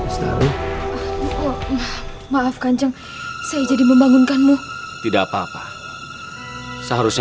sampai jumpa di video selanjutnya